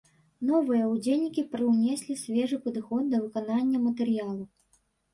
Новыя ўдзельнікі прыўнеслі свежы падыход да выканання матэрыялу.